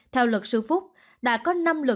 theo luật sư phúc đã có năm luật sư diễn ra